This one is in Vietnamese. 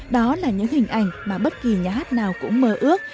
đó là những hình ảnh mà bất kỳ nhà hát nào cũng mơ ước